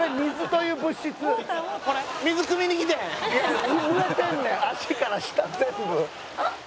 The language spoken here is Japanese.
いや濡れてんねん足から下全部。